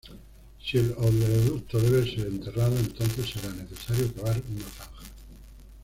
Si el oleoducto debe ser enterrado, entonces será necesario cavar una zanja.